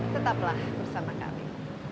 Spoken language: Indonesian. tetaplah bersama kami